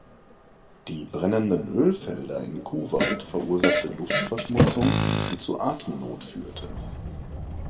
Die brennenden Ölfelder in Kuwait verursachte Luftverschmutzung, die zu Atemnot führte.